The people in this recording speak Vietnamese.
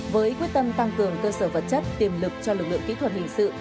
với quyết tâm tăng cường cơ sở vật chất tiềm lực cho lực lượng kỹ thuật hình sự